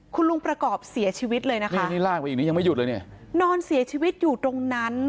คุณลุงประกอบเสียชีวิตเลยนะคะนอนเสียชีวิตอยู่ตรงนั้น